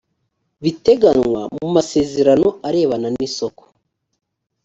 biteganwa mu masezerano arebana n isoko